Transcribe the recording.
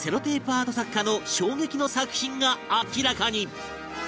アート作家の衝撃の作品が明らかに！